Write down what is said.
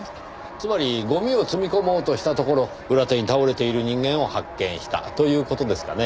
つまりゴミを積み込もうとしたところ裏手に倒れている人間を発見したという事ですかねぇ。